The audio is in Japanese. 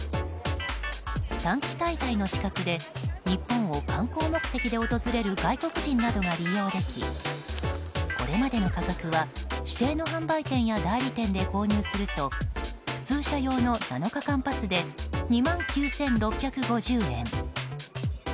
短期滞在の資格で日本を観光目的で訪れる外国人などが利用できこれまでの価格は指定の販売店や代理店で購入すると普通車用の７日間パスで２万９６５０円。